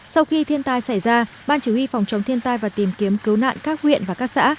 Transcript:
sau khi thiên tai xảy ra ban chỉ huy phòng chống thiên tai và tìm kiếm cứu nạn các huyện và các xã